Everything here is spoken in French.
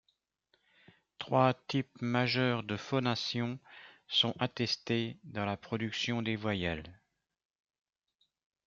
Trois types majeurs de phonation sont attestés dans la production des voyelles.